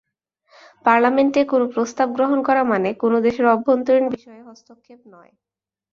পার্লামেন্টে কোনো প্রস্তাব গ্রহণ করা মানে কোনো দেশের অভ্যন্তরীণ বিষয়ে হস্তক্ষেপ নয়।